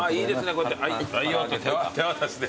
こうやって手渡しで。